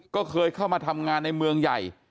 ก็เคยเข้ามาทำงานในเมืองใหญ่